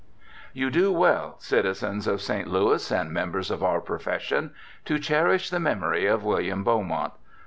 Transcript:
You do well, citizens of St. Louis and members of our profession, to cherish the memory of William Beaumont.